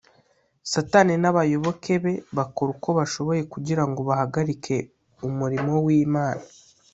satani n’abayoboke be bakora uko bashoboye kugira ngo bahagarike umurimo w’imana